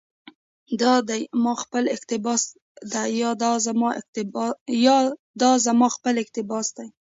دا دي ما خپل اقتباس ده، يا دا زما خپل اقتباس دى